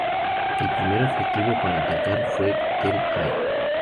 El primer objetivo para atacar fue Tel Hai.